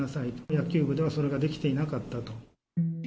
野球部ではそれができていなかったと。